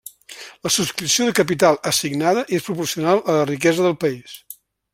La subscripció de capital assignada és proporcional a la riquesa del país.